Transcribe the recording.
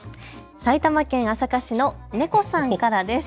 埼玉県朝霞市のネコさんからです。